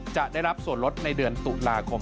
จะได้รับส่วนลดในเดือนตุลาคม